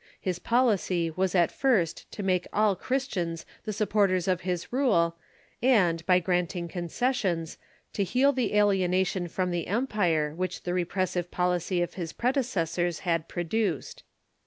His policy was at first to make all Chris tians the supporters of his rule, and, by granting concessions, to heal the alienation from the empire which the repressive policy of his predecessors had produced.